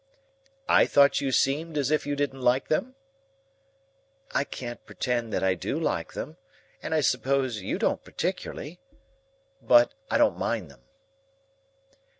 "I thought you seemed as if you didn't like them?" "I can't pretend that I do like them, and I suppose you don't particularly. But I don't mind them."